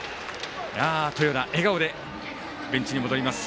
豊田、笑顔でベンチに戻ります。